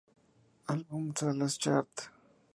Álbum Salas Chart